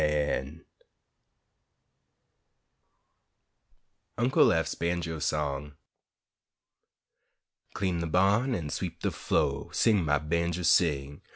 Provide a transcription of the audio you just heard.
UNCLE EPH'S BANJO SONG Clean de ba'n an' sweep de flo', Sing, my bawnjer, sing!